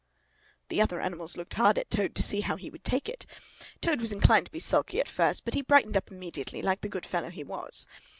'" The other animals looked hard at Toad to see how he would take it. Toad was inclined to be sulky at first; but he brightened up immediately, like the good fellow he was.